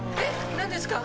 何ですか？